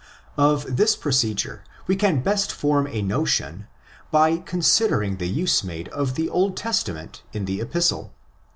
Of this procedure we can best form ἃ notion by considering the use made of the Old Testa ment in the Epistle.